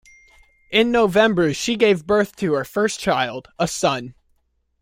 In November she gave birth to her first child, a son.